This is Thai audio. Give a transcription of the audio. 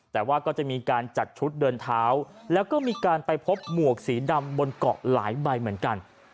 แต่ว่าก็จะมีการจัดชุดเดินเท้าแล้วก็มีการไปพบหมวกสีดำบนเกาะหลายใบเหมือนกัน